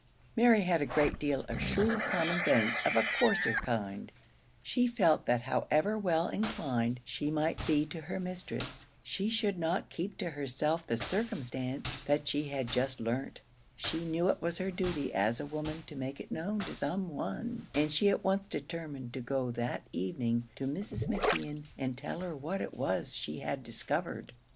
Mary had a great deal of shrewd common sense of the coarser kind; she felt that however well inclined she might be to her mistress, she should not keep to herself the circumstance that she had just learnt; she knew it was her duty as a woman to make it known to some one, and she at once determined to go that evening to Mrs. McKeon and tell her what it was she had discovered.